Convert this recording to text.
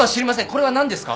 これは何ですか？